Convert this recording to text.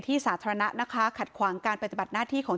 สาธารณะนะคะขัดขวางการปฏิบัติหน้าที่ของ